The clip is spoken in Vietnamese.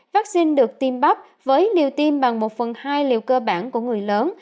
vaccine được tiêm bắp với liều tiêm bằng một phần hai liều cơ bản của người lớn